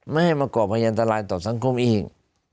ไม่ให้มาก่อพยันตรายต่อสังคมเอง